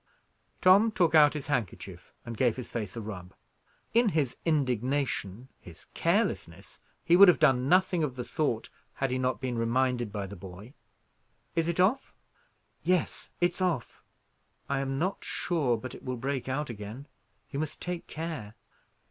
Tom took out his handkerchief, and gave his face a rub. In his indignation, his carelessness, he would have done nothing of the sort, had he not been reminded by the boy. "Is it off?" "Yes, it's off. I am not sure but it will break out again. You must take care."